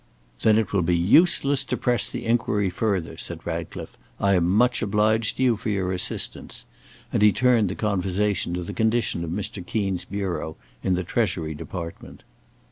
"Then it will be useless to press the inquiry further," said Ratcliffe; "I am much obliged to you for your assistance," and he turned the conversation to the condition of Mr. Keen's bureau in the Treasury department.